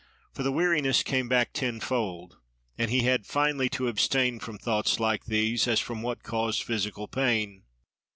For the weariness came back tenfold; and he had finally to abstain from thoughts like these, as from what caused physical pain.